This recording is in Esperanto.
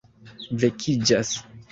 vekiĝas